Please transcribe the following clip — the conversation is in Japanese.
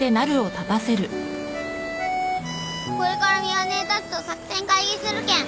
これから美和ネェたちと作戦会議するけん。